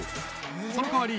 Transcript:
その代わり